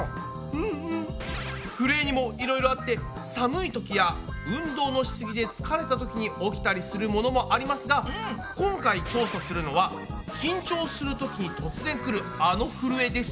ふるえにもいろいろあって寒いときや運動のしすぎで疲れたときに起きたりするものもありますが今回調査するのは緊張するときに突然くるあのふるえです。